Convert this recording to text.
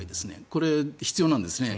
これ必要なんですね。